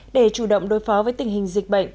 để chủ động đối phó với tình hình dịch bệnh